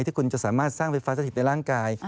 ที่คุณจะสามารถสร้างไฟฟ้าสถิตในร่างกาย